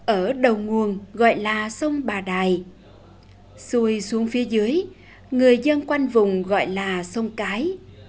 ở đầu nguồn gọi là sông bà đài xuôi xuống phía dưới người dân quanh vùng gọi là sông cái